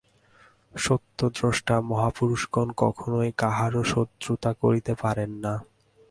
সত্যদ্রষ্টা মহাপুরুষগণ কখনও কাহারও শত্রুতা করিতে পারেন না।